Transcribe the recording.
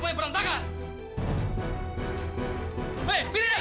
kayak orang lagi hamil aja